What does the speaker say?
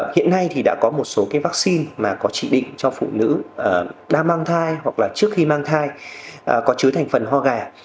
hiện nay thì đã có một số cái vaccine mà có chỉ định cho phụ nữ đang mang thai hoặc là trước khi mang thai có chứa thành phần ho gà